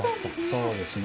そうですね。